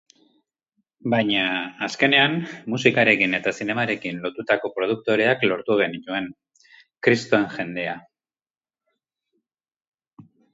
Baina azkenean musikarekin eta zinemarekin lotutako produktoreak lortu genituen, kristoren jendea.